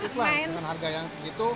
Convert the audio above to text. dengan harga yang segitu